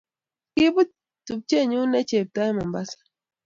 Kibot tupchenyu ne chepto eng' Mombasa